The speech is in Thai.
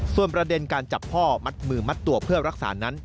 ส่วนประเด็นการจับพ่อมัดมือมัดตัวเพื่อรักษานั้น